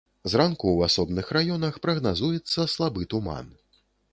Зранку ў асобных раёнах прагназуецца слабы туман.